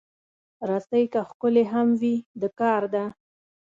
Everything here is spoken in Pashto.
رسۍ که ښکلې هم وي، د کار ده.